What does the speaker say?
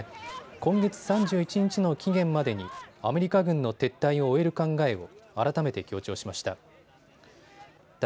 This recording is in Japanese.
今月３１日の期限までにアメリカ軍の撤退を終える考えを改めて強調しました。